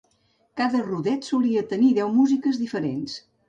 Cada rodet solia tenir deu músiques diferents.